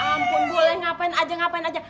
ampun boleh ngapain aja ngapain aja